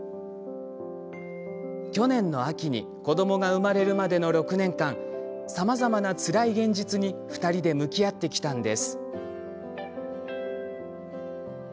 去年の秋に子どもが生まれるまでの６年間さまざまな、つらい現実に２人で向き合ってきたんです。